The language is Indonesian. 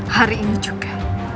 hari ini juga